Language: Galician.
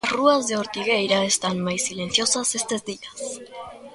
As rúas de Ortigueira están máis silenciosas estes días.